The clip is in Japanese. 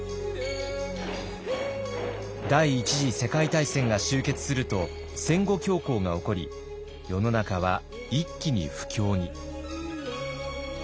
第一次世界大戦が終結すると戦後恐慌が起こり世の中は一気に不況に。